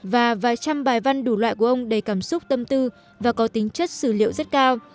và vài trăm bài văn đủ loại của ông đầy cảm xúc tâm tư và có tính chất sử liệu rất cao